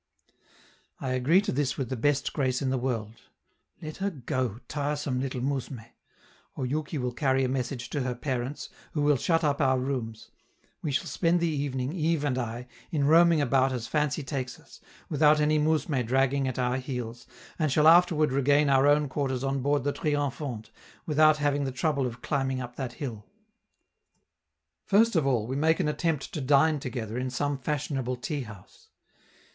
I agree to this with the best grace in the world; let her go, tiresome little mousme! Oyouki will carry a message to her parents, who will shut up our rooms; we shall spend the evening, Yves and I, in roaming about as fancy takes us, without any mousme dragging at our heels, and shall afterward regain our own quarters on board the 'Triomphante', without having the trouble of climbing up that hill. First of all, we make an attempt to dine together in some fashionable tea house.